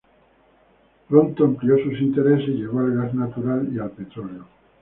Pronto amplió sus intereses y llegó al gas natural y al petróleo.